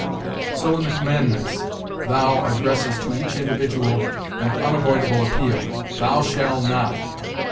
So in the Commandments, 'thou' addresses to each individual an unavoidable appeal: 'Thou shall not